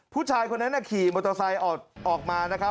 ผู้ชายคนนั้นขี่มอเตอร์ไซค์ออกมานะครับ